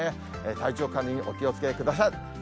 体調管理にお気をつけください。